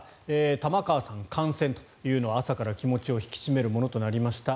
玉川さん感染というのは朝から気持ちを引き締めるものとなりました。